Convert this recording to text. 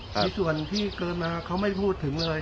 ในส่วนที่เกินมาเขาไม่พูดถึงเลย